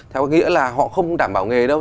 theo nghĩa là họ không đảm bảo nghề đâu